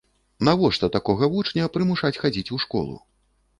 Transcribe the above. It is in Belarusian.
Навошта такога вучня прымушаць хадзіць у школу?